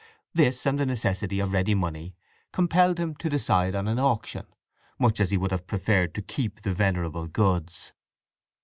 This, and the necessity of ready money, compelled him to decide on an auction, much as he would have preferred to keep the venerable goods.